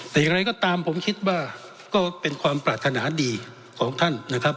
แต่อย่างไรก็ตามผมคิดว่าก็เป็นความปรารถนาดีของท่านนะครับ